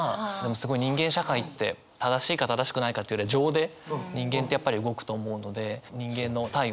すごい人間社会って正しいか正しくないかというよりは情で人間ってやっぱり動くと思うので。